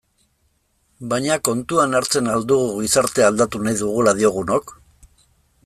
Baina kontuan hartzen al dugu gizartea aldatu nahi dugula diogunok?